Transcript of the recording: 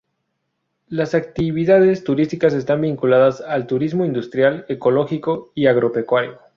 Las actividades turísticas están vinculadas al Turismo Industrial, Ecológico y Agropecuario.